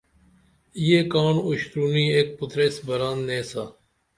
یہ کاڻ اُشترونی اِک پیتریس بران نیسا